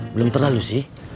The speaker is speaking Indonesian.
belum terlalu sih